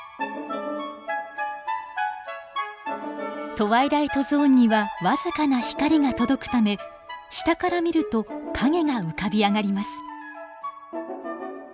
トワイライトゾーンには僅かな光が届くため下から見ると影が浮かび上がります。